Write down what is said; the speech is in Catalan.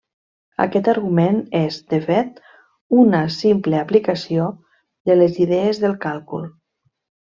Aquest argument és, de fet, una simple aplicació de les idees del càlcul.